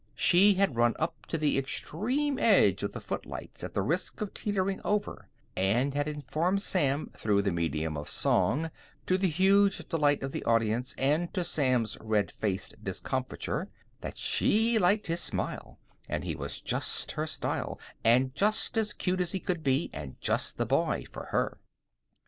She had run up to the extreme edge of the footlights at the risk of teetering over, and had informed Sam through the medium of song to the huge delight of the audience, and to Sam's red faced discomfiture that she liked his smile, and he was just her style, and just as cute as he could be, and just the boy for her.